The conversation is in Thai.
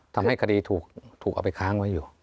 ทำให้คดีถูกเอาไปค้างไว้อยู่